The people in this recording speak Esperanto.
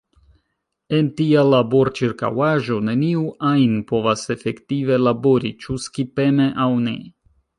En tia laborĉirkaŭaĵo neniu ajn povas efektive labori - ĉu skipeme aŭ ne.